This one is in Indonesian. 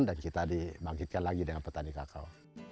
dan kita dibangkitkan lagi dengan petani kakao